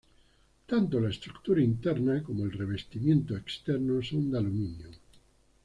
Tanto la estructura interna como el revestimiento externo son de aluminio.